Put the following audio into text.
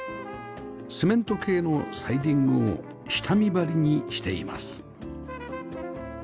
セメント系のサイディングを下見張りにしています